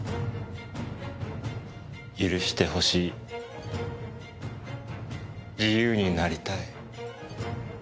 許してほしい自由になりたい。